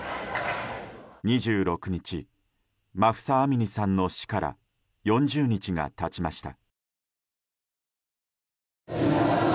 ２６日、マフサ・アミニさんの死から４０日が経ちました。